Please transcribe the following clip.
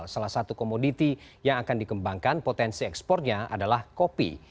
salah satu komoditi yang akan dikembangkan potensi ekspornya adalah kopi